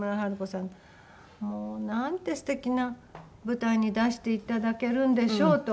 もうなんて素敵な舞台に出していただけるんでしょうと。